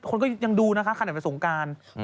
คนก็อย่างดูนะคะขนใหดเป็นสงการ